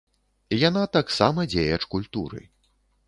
Яна таксама дзеяч культуры.